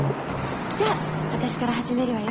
じゃああたしから始めるわよ。